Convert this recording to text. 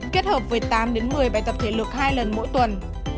kết hợp với tám một mươi bài tập thể lực hai lần mỗi tuần